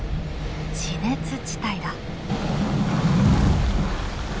地熱地帯だ。